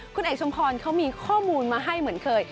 คุณเอกชุมพรเขามีข้อมูลมาให้เหมือนเคย